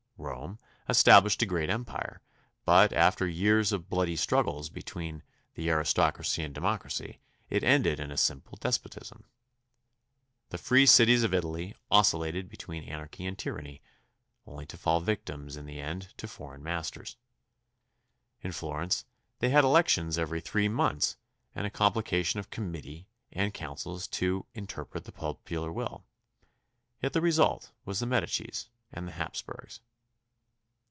Rome established a great empire, but, after years of bloody struggles between aristocracy and democracy, it ended in a simple des potism. The free cities of Italy oscillated between anarchy and tyranny, only to fall victims in the end to foreign masters. In Florence they had elections every three months and a complication of committees and councils to interpret the popular will. Yet the result was the Medicis and the Hapsburgs.